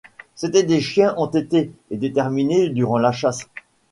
C'était des chiens entêtés et déterminés durant la chasse.